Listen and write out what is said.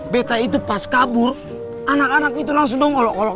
beta itu pas kabur anak anak itu langsung dong olok olok